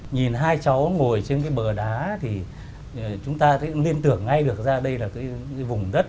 nhìn hai cháu ngồi trên cái bờ đá thì chúng ta liên tưởng ngay được ra đây là cái vùng đất